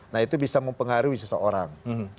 nah itu bisa mempengaruhi seseorang